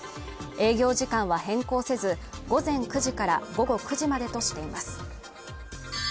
営業時間は変更せず午前９時から午後９時までとしています